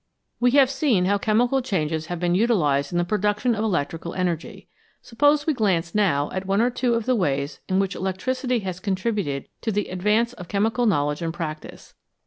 We have seen how chemical changes have been utilised in the production of electrical energy ; suppose we glance now at one or two of the ways in which electricity has contributed to the advance of chemical knowledge and practice.